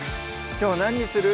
きょう何にする？